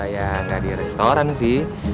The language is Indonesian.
ya nggak di restoran sih